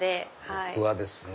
僕はですね